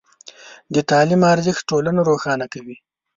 د تعلیم ارزښت ټولنه روښانه کوي.